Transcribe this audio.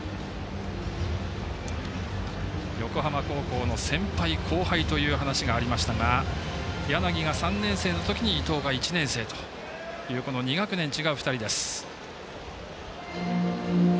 横浜高校の先輩・後輩という話がありましたが柳が３年生の時に伊藤が１年生という２学年違う２人です。